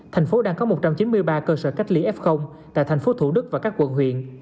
tp hcm đang có một trăm chín mươi ba cơ sở cách ly f tại tp thủ đức và các quận huyện